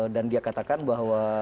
dan dia katakan bahwa